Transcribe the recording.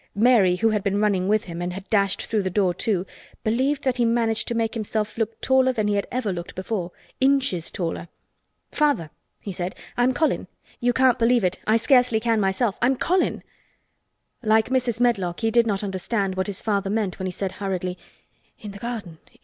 Mary, who had been running with him and had dashed through the door too, believed that he managed to make himself look taller than he had ever looked before—inches taller. "Father," he said, "I'm Colin. You can't believe it. I scarcely can myself. I'm Colin." Like Mrs. Medlock, he did not understand what his father meant when he said hurriedly: "In the garden!